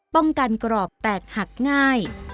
ป้องกันกรอบแตกหักง่าย